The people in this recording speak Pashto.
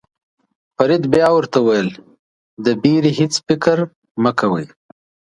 فرید بیا ورته وویل د وېرې هېڅ فکر مه کوئ.